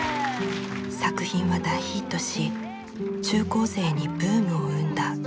作品は大ヒットし中高生にブームを生んだ。